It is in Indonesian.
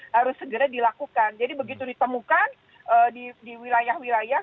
harus segera dilakukan jadi begitu ditemukan di wilayah wilayah